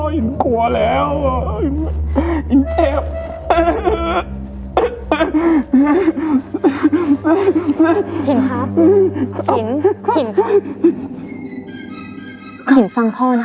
หินต้องเชื่อฟังพ่อนะ